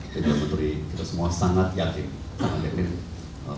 kita semua sangat yakin